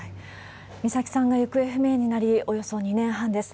美咲さんが行方不明になり、およそ２年半です。